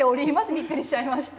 びっくりしちゃいました。